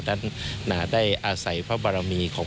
ด้านหนาได้อาษัยพระบารมีของ